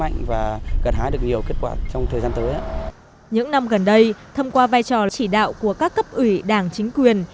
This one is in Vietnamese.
những năm gần đây thông qua vai trò chỉ đạo của các cấp ủy đảng chính quyền